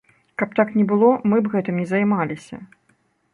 Каб так не было, мы б гэтым не займаліся.